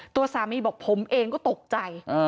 ตัวสามีบอกผมเองก็ตกใจ